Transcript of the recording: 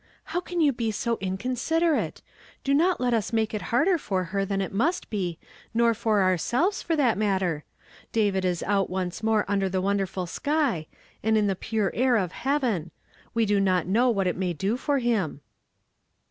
"How can you he so inconsiderate ! Do not let us make it harder for her than it must be, nor for ourselves, for that matter. David is out once more under the wonderful sky, and in the pure air of heaven. We do not know what it may do for him."